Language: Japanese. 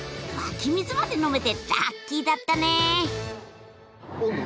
湧き水まで飲めてラッキーだったね！